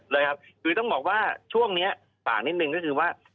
เลยครับคือต้องบอกว่าช่วงนี้ฝากนิดนึงก็คือว่า